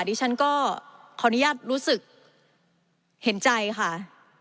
ดิฉันก็ขออนุญาตรู้สึกเห็นใจค่ะ